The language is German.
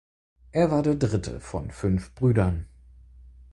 Er war der dritte von fünf Brüdern.